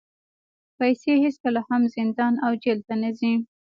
پیسې هېڅکله هم زندان او جېل ته نه ځي.